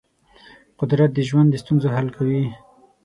قدرت د ژوند د ستونزو حل کوي.